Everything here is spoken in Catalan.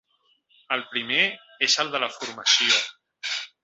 El primer és el de la formació.